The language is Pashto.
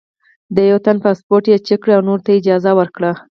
د یوه تن پاسپورټ یې چیک کړ او نورو ته یې اجازه ورکړه.